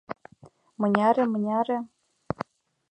— Мыняре, мыняре?